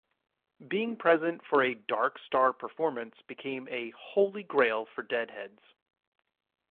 Being present for a "Dark Star" performance became a "Holy Grail" for Deadheads.